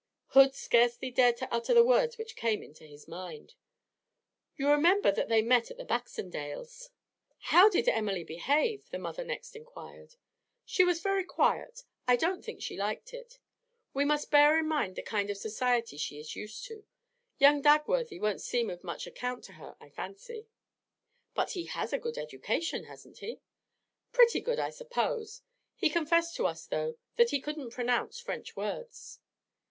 Hood scarcely dared to utter the words which came into his mind. 'You remember that they met at the Baxendales' ' 'How did Emily behave?' the mother next inquired. 'She was very quiet. I don't think she liked it. We must bear in mind the kind of society she is used to. Young Dagworthy won't seem of much account to her, I fancy.' 'But he has had a good education, hasn't he?' 'Pretty good, I suppose. He confessed to us, though, that he couldn't pronounce French words.'